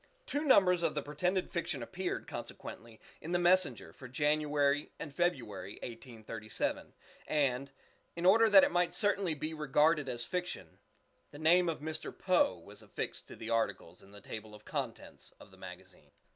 Two numbers of the pretended fiction appeared, consequently, in the "Messenger" for January and February (1837), and, in order that it might certainly be regarded as fiction, the name of Mr. Poe was affixed to the articles in the table of contents of the magazine.